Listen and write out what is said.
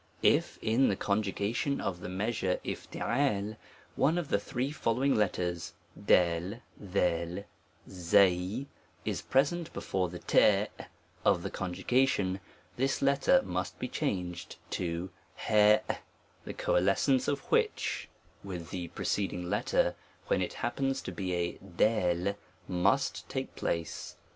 IF in the conjugation on the measure *> one of the three following letters A, a, ^ is present before the o , of the conj ugation 3 this letter must be changed to 6 the coalescence of which, with the 48 A TREATISE O5T THE preceding letter, when it happens to be a a , mutt take place.